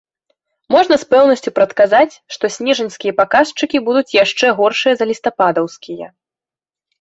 Можна з пэўнасцю прадказаць, што снежаньскія паказчыкі будуць яшчэ горшыя за лістападаўскія.